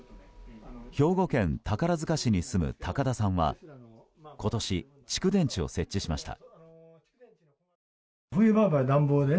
兵庫県宝塚市に住む高田さんは今年、蓄電池を設置しました。